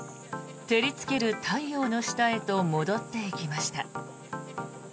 照りつける太陽の下へと戻っていきました。